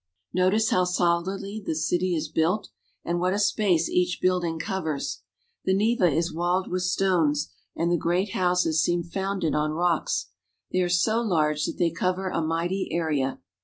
Notice how solidly the city is built, and what a space each building covers. The Neva is walled with stones, and the great houses seem founded on rocks. They are so large that they cover a mighty area.